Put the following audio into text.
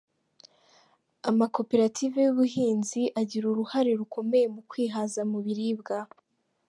Amakoperative y’ubuhinzi agira uruhare rukomeye mu kwihaza mu biribwa